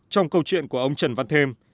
trong câu chuyện của ông trần văn thêm